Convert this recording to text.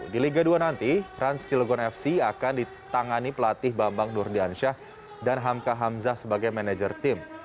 di liga dua nanti rans cilegon fc akan ditangani pelatih bambang nurdiansyah dan hamka hamzah sebagai manajer tim